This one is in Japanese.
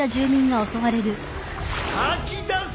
吐き出せ。